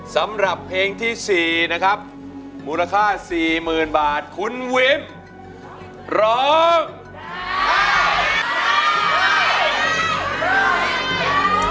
สำหรับเพลงที่๔นะครับมูลค่า๔๐๐๐บาทคุณวิมร้อง